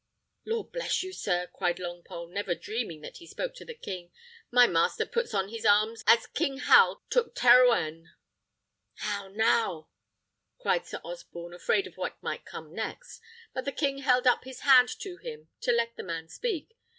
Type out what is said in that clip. "Lord bless you, sir!" cried Longpole, never dreaming that he spoke to the king, "my master puts on his arms as King Hal took Terouenne." "How now!" cried Sir Osborne, afraid of what might coms next; but the king held up his hand to him to let the man speak.